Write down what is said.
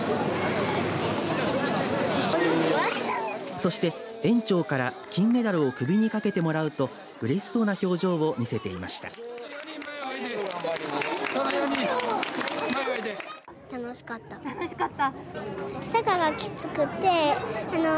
そして園長から金メダルを首にかけてもらうとうれしそうな表情を見せていました。